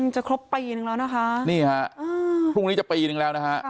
จะครบปีนึงแล้วนะคะนี่ฮะพรุ่งนี้จะปีนึงแล้วนะฮะ